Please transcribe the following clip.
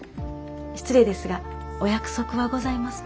失礼ですがお約束はございますか？